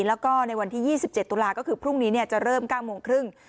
แล้วก็ในวันที่๒๗ตุลาก็คือพรุ่งนี้จะเริ่ม๙โมงครึ่ง